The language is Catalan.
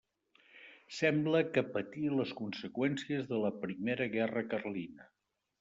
Sembla que patí les conseqüències de la primera Guerra Carlina.